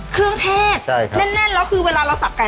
เครื่องเทศใช่ครับแน่นแน่นแล้วคือเวลาเราสับไก่